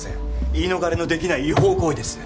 言い逃れのできない違法行為です